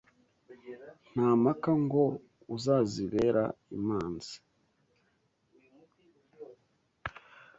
Nta mpaka ngo uzazibera imanzi